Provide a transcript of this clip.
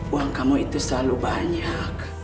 uang kamu itu selalu banyak